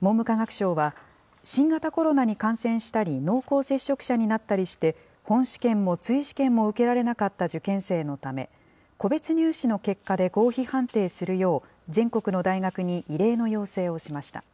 文部科学省は、新型コロナに感染したり、濃厚接触者になったりして、本試験も追試験も受けられなかった受験生のため、個別入試の結果で合否判定するよう、全国の大学に異例の要請をしました。